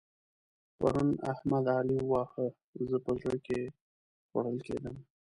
پرون احمد؛ علي وواهه. زه په زړه کې خوړل کېدم.